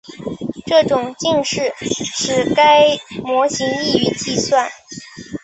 这种近似使该模型易于计算。